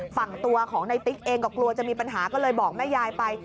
ฝั่งตัวของในติ๊กเองก็กลัวจะมีปัญหาก็เลยบอกแม่ยายไป